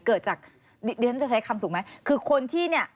เกิดจากดิฉันจะใช้คำถูกไหมคือคนที่เนี่ย